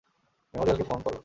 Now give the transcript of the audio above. মেমোরিয়ালকে phone করো।